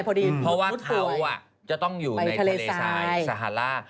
เพราะว่าเขาจะต้องอยู่ในทะเลทรายสหลาล่า